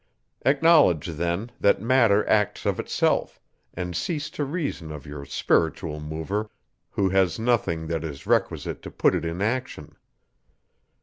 Acknowledge then, that matter acts of itself, and cease to reason of your spiritual mover, who has nothing that is requisite to put it in action.